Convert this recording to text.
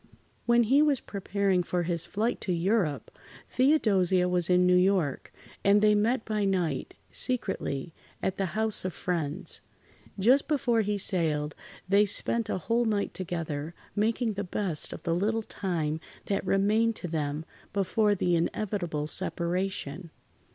When he was preparing for his flight to Europe, Theodosia was in New York, and they met by night, secretly, at the house of friends. Just before he sailed, they spent a whole night together, making the best of the little time that remained to them before the inevitable separation.